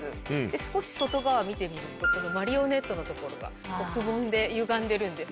少し外側見てみるとこのマリオネットのところがくぼんでゆがんでるんです。